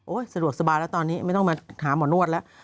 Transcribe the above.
สะดวกสบายแล้วตอนนี้ไม่ต้องมาหาหมอนวดแล้ว